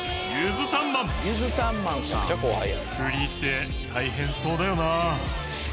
フリーって大変そうだよなあ。